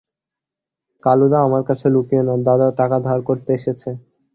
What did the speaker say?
কালুদা, আমার কাছে লুকিয়ো না, দাদা টাকা ধার করতে এসেছে।